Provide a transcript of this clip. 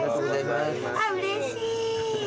あっうれしい。